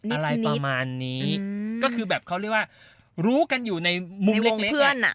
อะไรประมาณนี้ก็คือแบบเขาเรียกว่ารู้กันอยู่ในมุมเล็กเพื่อนอ่ะ